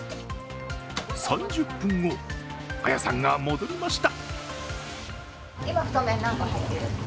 ３０分後、綾さんが戻りました。